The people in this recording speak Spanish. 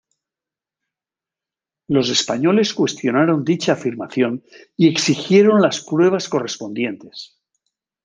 Los españoles cuestionaron dicha afirmación y exigieron las pruebas correspondientes.